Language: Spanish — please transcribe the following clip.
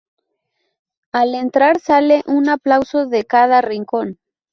Al entrar sale un aplauso de cada rincón.